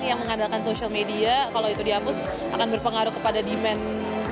yang mengandalkan social media kalau itu dihapus akan berpengaruh kepada demand